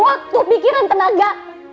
waktu pikiran tenaga